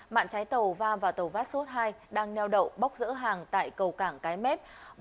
mạn trái tàu va và tàu vassos ii đang nheo đậu bóc giữa hàng tại cầu cảng cái mét